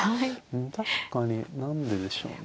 確かに何ででしょうね。